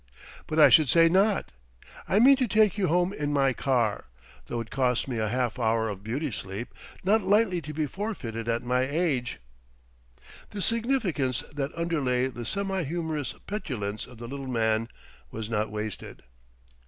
But I should say not! I mean to take you home in my car, though it cost me a half hour of beauty sleep not lightly to be forfeited at my age!" The significance that underlay the semi humourous petulance of the little man was not wasted.